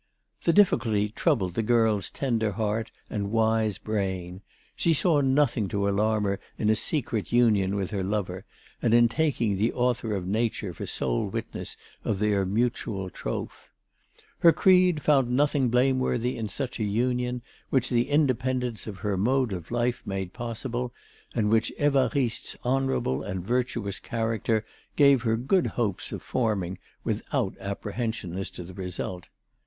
The difficulty troubled the girl's tender heart and wise brain. She saw nothing to alarm her in a secret union with her lover and in taking the author of nature for sole witness of their mutual troth. Her creed found nothing blameworthy in such a union, which the independence of her mode of life made possible and which Évariste's honourable and virtuous character gave her good hopes of forming without apprehension as to the result.